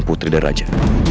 sampai putri dan raja